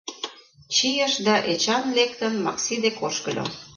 Чийыш да Эчан, лектын, Макси дек ошкыльо.